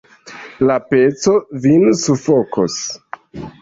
La peco vin sufokos!